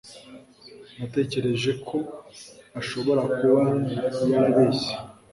Natekereje ko ashobora kuba yarabeshye.